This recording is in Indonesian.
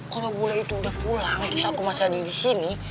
kalau gulai itu udah pulang terus aku masih ada di sini